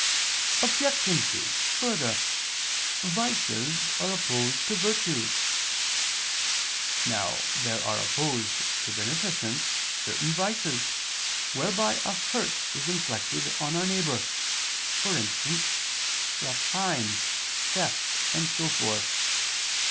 Obj. 2: Further, vices are opposed to virtues. Now there are opposed to beneficence certain vices whereby a hurt is inflicted on our neighbor, for instance, rapine, theft and so forth.